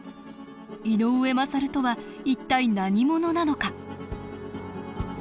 井上勝とは一体何者なのか？